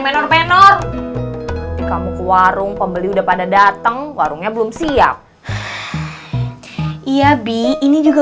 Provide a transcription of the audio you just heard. menor penor kamu ke warung pembeli udah pada datang warungnya belum siap iya bi ini juga